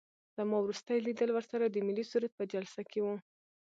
زما وروستی لیدل ورسره د ملي سرود په جلسه کې وو.